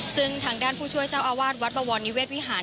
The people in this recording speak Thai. ซึ่งทางด้านผู้ช่วยเจ้าอาวาสวัดบวรนิเวศวิหาร